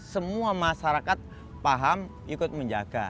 semua masyarakat paham ikut menjaga